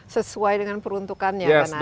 sesuai dengan peruntukannya kan